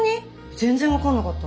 全然分かんなかった。